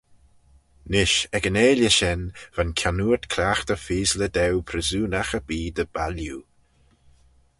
Nish ec yn 'eailley shen va'n kiannoort cliaghtey feaysley daue pryssoonagh erbee dy bailloo.